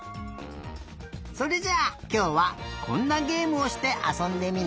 それじゃあきょうはこんなげえむをしてあそんでみない？